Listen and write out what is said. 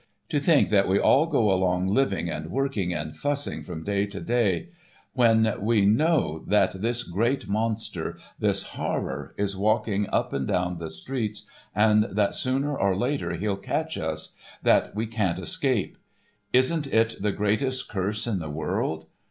To think that we all go along living and working and fussing from day to day, when we know that this great Monster, this Horror, is walking up and down the streets, and that sooner or later he'll catch us,—that we can't escape. Isn't it the greatest curse in the world!